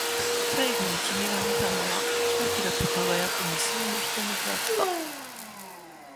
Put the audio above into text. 最後に君が見たのは、きらきらと輝く無数の瞳であった。